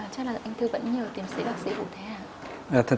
chắc là anh thư vẫn nhờ kiểm sĩ đặc sĩ hữu thế hạ